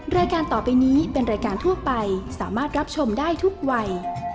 รายการต่อไปนี้เป็นรายการทั่วไปสามารถรับชมได้ทุกวัย